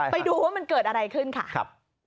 ไปดูว่ามันเกิดอะไรขึ้นค่ะ